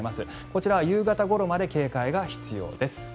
こちらは夕方ごろまで警戒が必要です。